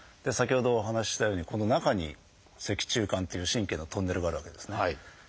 先ほどお話ししたようにこの中に脊柱管っていう神経のトンネルがあるわけですね。